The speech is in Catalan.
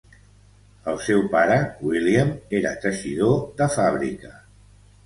El seu pare, William, era teixidor de fàbrica.